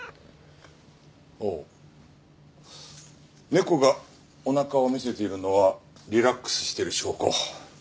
猫がおなかを見せているのはリラックスしている証拠。